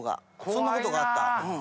そんなことがあった。